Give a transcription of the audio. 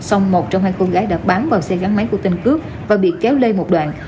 xong một trong hai cô gái đã bán vào xe gắn máy của tên cướp và bị kéo lê một đoạn